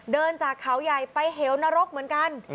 เดินจากเขาใหญ่ไปเหวนรกเหมือนกัน